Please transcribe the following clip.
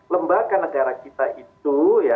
lembaga negara kita itu